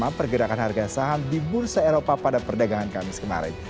menjadi pendorong utama pergerakan harga saham di bursa eropa pada perdagangan kamis kemarin